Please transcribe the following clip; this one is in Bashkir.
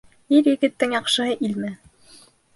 Ир-егеттең яҡшыһы ил менән.